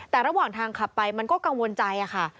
แต่ระหว่างทางขับไปมันก็กังวลใจค่ะ